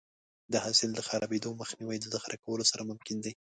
د حاصل د خرابېدو مخنیوی د ذخیره کولو سره ممکن دی.